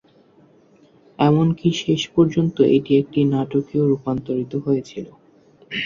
এমনকি শেষপর্যন্ত এটি একটি নাটকেও রূপান্তরিত হয়েছিল।